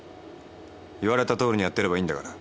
言われたとおりにやってればいいんだから。